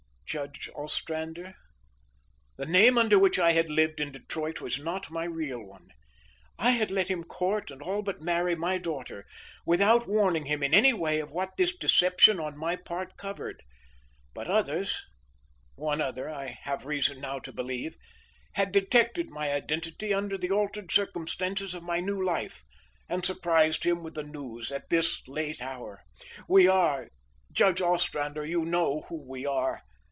Judge Ostrander, the name under which I had lived in Detroit was not my real one. I had let him court and all but marry my daughter, without warning him in any way of what this deception on my part covered. But others one other, I have reason now to believe had detected my identity under the altered circumstances of my new life, and surprised him with the news at this late hour. We are Judge Ostrander, you know who we are.